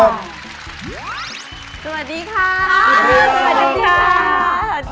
สวัสดีค่ะ